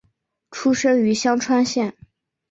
出身于香川县。